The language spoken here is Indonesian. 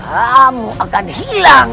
kamu akan hilang